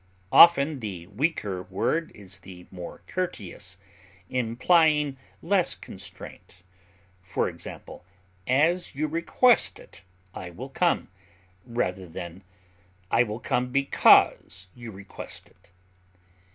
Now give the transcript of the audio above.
Often the weaker word is the more courteous, implying less constraint; for example, as you request it, I will come, rather than I will come because you request it.